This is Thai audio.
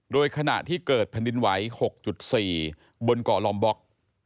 โดยขณะที่เกิดแผ่นดินไหว๖๔บนเกาะลอมบล็อก